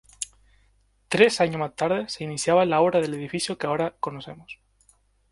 Tres años más tarde se iniciaban las obras del edificio que ahora conocemos.